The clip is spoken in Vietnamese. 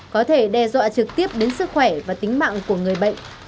có thể đe dọa trực tiếp đến sức khỏe và tính mạng của người bệnh